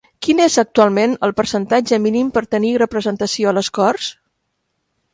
Quin és actualment el percentatge mínim per tenir representació a les Corts?